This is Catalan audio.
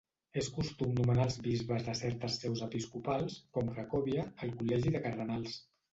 És costum nomenar els bisbes de certes seus episcopals, com Cracòvia, al Col·legi de Cardenals.